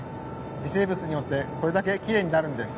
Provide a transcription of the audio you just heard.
微生物によってこれだけきれいになるんです。